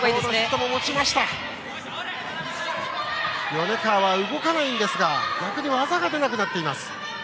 米川は動かないんですが逆に技が出なくなっています。